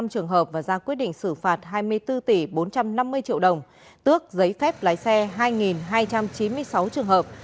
tám trăm năm mươi năm trường hợp và ra quyết định xử phạt hai mươi bốn tỷ bốn trăm năm mươi triệu đồng tước giấy phép lái xe hai hai trăm chín mươi sáu trường hợp